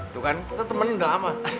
tuh kan kita temen udah lama